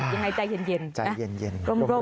ยังไงใจเย็นลมนะคะใจเย็น